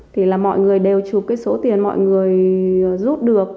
thì là mọi người đều chụp cái số tiền mọi người rút được